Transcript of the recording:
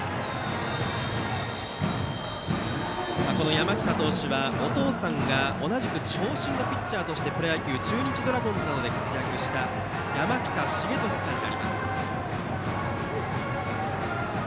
山北投手は、お父さんが同じく長身のピッチャーとしてプロ野球の中日ドラゴンズで活躍した山北茂利さんになります。